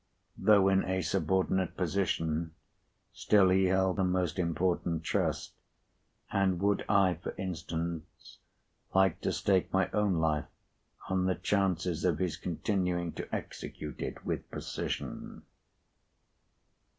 Though in a subordinate position, still he held a most important trust, and would I (for instance) like to stake my own life on the chances of his continuing to execute it with precision?